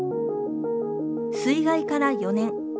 水害から４年。